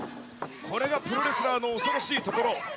これがプロレスラーの恐ろしいところ。